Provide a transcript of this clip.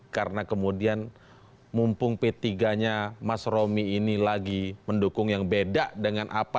karena kemudian mumpung p tiga nya mas romi ini lagi mendukung yang beda dengan apa